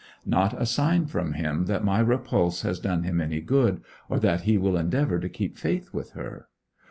Not a sign from him that my repulse has done him any good, or that he will endeavour to keep faith with her.